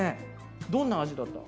どんな味だったの？